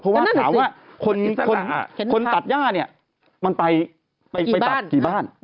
เพราะว่าถามว่าคนตัดย่าเนี่ยมันไปตัดกี่บ้าน